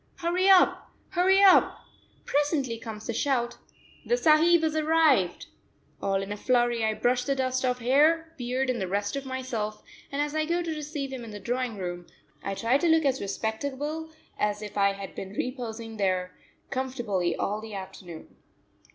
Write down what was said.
Hurry up! Hurry up! Presently comes the shout: "The sahib has arrived." All in a flurry I brush the dust off hair, beard, and the rest of myself, and as I go to receive him in the drawing room, I try to look as respectable as if I had been reposing there comfortably all the afternoon.